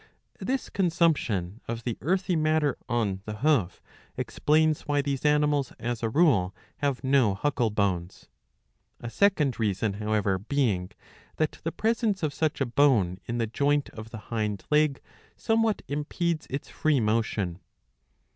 ^ This consumption of the earthy matter on the hoof explains why these animals, as a rule, have no ^* huckle bones ; a second reason, however, being that the presence of such a bone in the joint of the hind leg somewhat impedes its free motion.